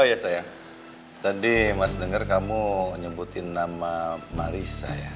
oh iya sayang tadi mas denger kamu nyebutin nama marisa ya